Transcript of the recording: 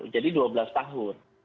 jadi dua belas tahun